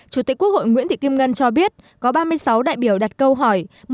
chủ tịch quốc hội nguyễn thị kim ngân cho biết có ba mươi sáu đại biểu đặt câu hỏi